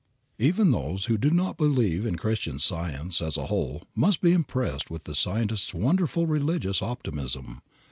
Even those who do not believe in Christian Science as a whole must be impressed with the Scientists' wonderful religious optimism.